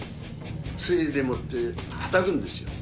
つえでもってたたくんですよ。